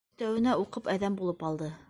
Өҫтәүенә, уҡып әҙәм булып алды.